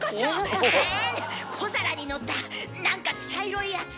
アーンド小皿にのった何か茶色いやつ。